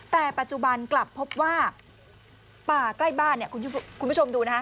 แต่ปัจจุบันกลับพบว่าป่าใกล้บ้านคุณผู้ชมดูนะฮะ